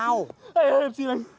anh ơi em xin anh